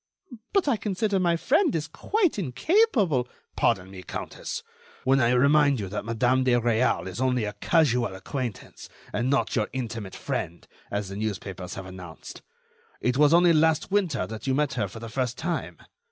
"But, I consider my friend is quite incapable—" "Pardon me, countess, when I remind you that Madame de Réal is only a casual acquaintance and not your intimate friend, as the newspapers have announced. It was only last winter that you met her for the first time.